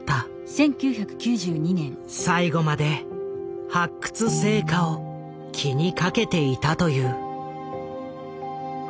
最後まで発掘成果を気にかけていたという。